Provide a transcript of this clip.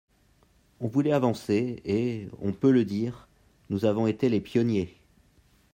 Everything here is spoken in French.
On voulait avancer, et, on peut le dire, nous avons été les pionniers.